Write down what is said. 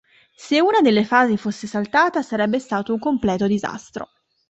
Se una delle fasi fosse saltata sarebbe stato un completo disastro.